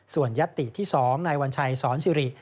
ส่วนยัตติที่๒นายวัญชัยสอนสิริ